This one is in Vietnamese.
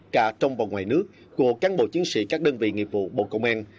cả trong và ngoài nước của cán bộ chiến sĩ các đơn vị nghiệp vụ bộ công an